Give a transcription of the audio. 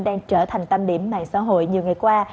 đang trở thành tâm điểm mạng xã hội nhiều ngày qua